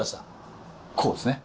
こうですね？